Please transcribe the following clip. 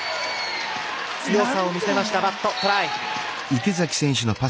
強さを見せましたバットトライ。